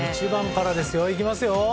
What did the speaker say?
１番からですよ。